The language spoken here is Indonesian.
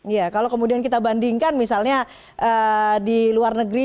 ya kalau kemudian kita bandingkan misalnya di luar negeri